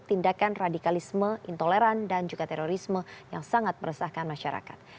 tindakan radikalisme intoleran dan juga terorisme yang sangat meresahkan masyarakat